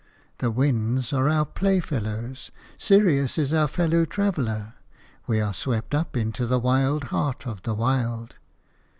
The winds are our playfellows; Sirius is our fellow traveller; we are swept up into the wild heart of the wild.